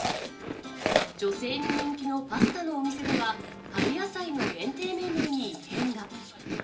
女性に人気のパスタのお店では、春野菜の限定メニューに異変が。